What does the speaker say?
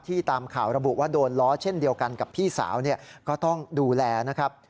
ตามข่าวระบุว่าโดนล้อเช่นเดียวกันกับพี่สาวเนี่ยก็ต้องดูแลนะครับ